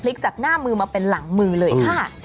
จากหน้ามือมาเป็นหลังมือเลยค่ะ